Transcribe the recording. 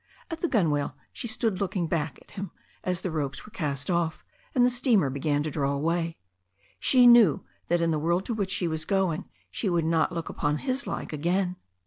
At the gunwale she stood looking back at him as the ropes were cast off and the steamer began to draw away. She knew that in the world to which she was going she would not look upon his like again.